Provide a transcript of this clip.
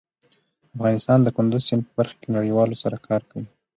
افغانستان د کندز سیند په برخه کې نړیوالو سره کار کوي.